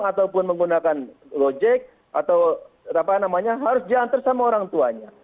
ataupun menggunakan lojek atau apa namanya harus diantar sama orang tuanya